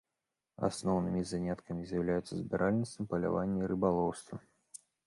Асноўнымі заняткамі з'яўляліся збіральніцтва, паляванне і рыбалоўства.